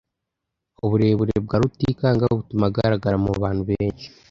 Uburebure bwa Rutikanga butuma agaragara mu bantu benshi.